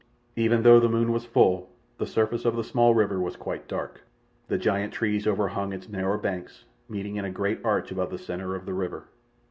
Even though the moon was full, the surface of the small river was quite dark. The giant trees overhung its narrow banks, meeting in a great arch above the centre of the river.